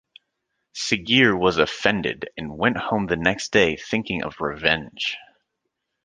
Siggeir was offended and went home the next day thinking of revenge.